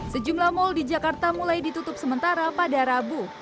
sejumlah mal di jakarta mulai ditutup sementara pada rabu